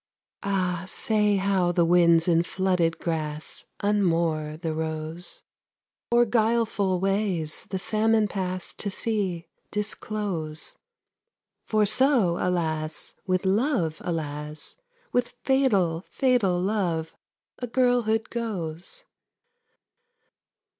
Ah, say how winds in flooded grass Unmoor the rose; Or guileful ways the salmon pass To sea, disclose; For so, alas, With Love, alas, With fatal, fatal Love a girlhood goes.